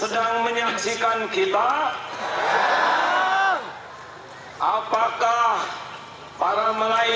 dan penolong kita hanyalah allah